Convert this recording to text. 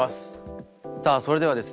さあそれではですね